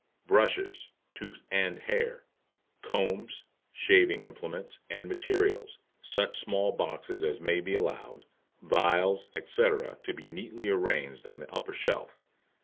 BRUSHES (tooth and hair), COMBS, SHAVING IMPLEMENTS and MATERIALS, such small boxes as may be allowed, vials, etc., to be neatly arranged on the upper shelf.